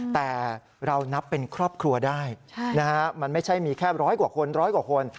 แต่เรานับเป็นครอบครัวได้มันไม่ใช่มีแค่ร้อยกว่าคนร้อยกว่าคน